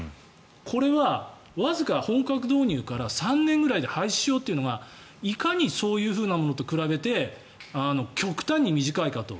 これはわずか本格導入から３年ぐらいで廃止しようっていうのがいかにそういうものと比べて極端に短いかと。